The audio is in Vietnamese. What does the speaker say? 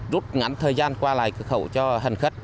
rút ngắn thời gian qua lại cửa khẩu cho hàn khất